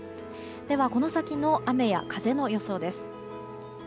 では、この先の雨や風の予想です。